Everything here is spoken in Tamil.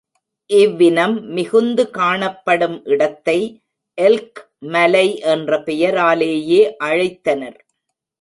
இவ்வினம் மிகுந்து காணப்படும் இடத்தை எல்க் மலை என்ற பெயராலேயே அழைத்தனர்.